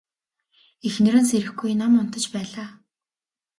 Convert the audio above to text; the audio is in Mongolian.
Эхнэр нь сэрэхгүй нам унтаж байлаа.